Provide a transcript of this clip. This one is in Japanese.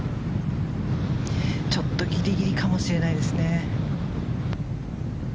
ちょっとギリギリかもしれないですね。